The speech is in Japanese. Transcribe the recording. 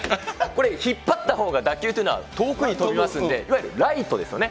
これ、引っ張ったほうが打球というのは遠くに飛びますので、いわゆるライトですよね。